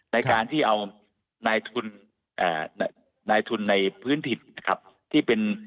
ในการที่เอานายทุนในพื้นถิ่น